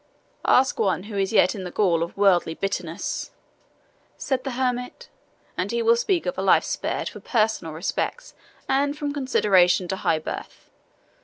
"Ask one who is yet in the gall of worldly bitterness," said the hermit, "and he will speak of a life spared for personal respects, and from consideration to high birth.